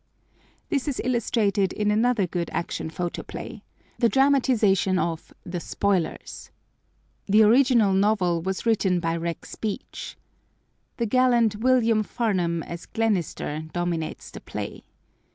This is illustrated in another good Action Photoplay: the dramatization of The Spoilers. The original novel was written by Rex Beach. The gallant William Farnum as Glenister dominates the play.